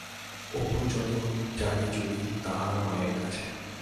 অপুর যত জারিজুরি তাহার মায়ের কাছে।